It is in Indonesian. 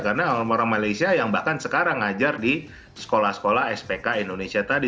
karena orang orang malaysia yang bahkan sekarang mengajar di sekolah sekolah spk indonesia tadi